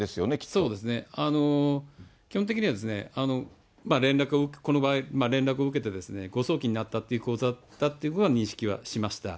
そうですね、基本的には連絡を、この場合、連絡を受けて、誤送金になったって口座だという認識はしました。